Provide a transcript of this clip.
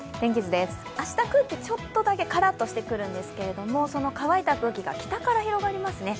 明日、空気はちょっとだけカラッとしてくるんですけど、その乾いた空気が北から広がりますね。